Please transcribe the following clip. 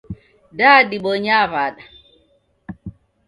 Da dibonyaa wada?